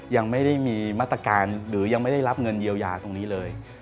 ยังไม่ได้มีมาตรการหรือยังไม่ได้รับเงินเยียวยาตรงนี้เลย